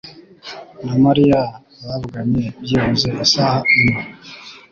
na Mariya bavuganye byibuze isaha imwe.